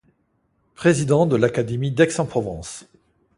Président de l'Académie d'Aix en Provence.